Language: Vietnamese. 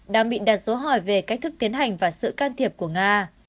đang bị đặt dấu hỏi về cách thức tiến hành và sự can thiệp của nga